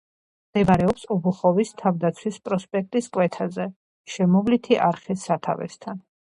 მდებარეობს ობუხოვის თავდაცვის პროსპექტის კვეთაზე, შემოვლითი არხის სათავესთან.